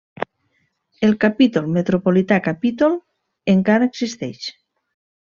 El Capítol Metropolità Capítol encara existeix.